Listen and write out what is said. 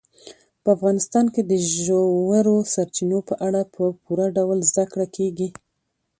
په افغانستان کې د ژورو سرچینو په اړه په پوره ډول زده کړه کېږي.